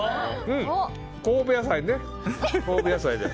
神戸野菜で。